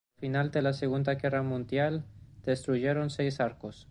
Al final de la Segunda Guerra Mundial se destruyeron seis arcos.